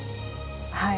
はい。